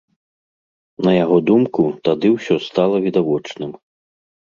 На яго думку, тады ўсё стала відавочным.